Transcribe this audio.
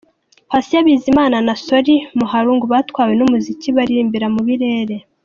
Patient Bizimana na Solly Mahlangu batwawe n’umuziki baririmbira mu birere.